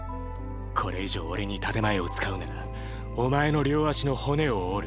これ以上俺に建て前を使うならお前の両脚の骨を折る。